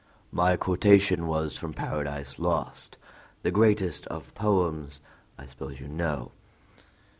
"My quotation was from Paradise Lost: the greatest of poems, I suppose you know?"